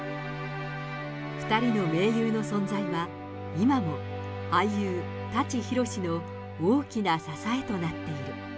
２人の名優の存在は今も俳優、舘ひろしの大きな支えとなっている。